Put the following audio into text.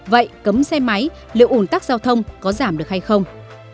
vậy cấm xe máy liệu ủn tắc giao thông có giảm được hay không